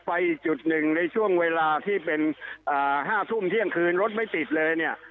อีกจุดหนึ่งในช่วงเวลาที่เป็น๕ทุ่มเที่ยงคืนรถไม่ติดเลยเนี่ย